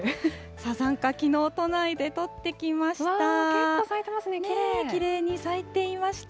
サザンカ、きのう都内で撮ってきました。